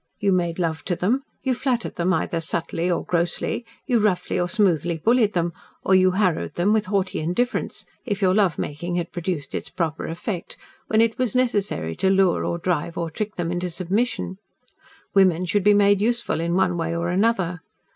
You made love to them, you flattered them either subtly or grossly, you roughly or smoothly bullied them, or you harrowed them with haughty indifference if your love making had produced its proper effect when it was necessary to lure or drive or trick them into submission. Women should be made useful in one way or another.